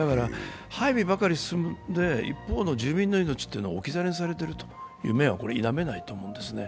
配備ばかり進んで、一方の住民の命が置き去りにされているというのは否めないと思うんです。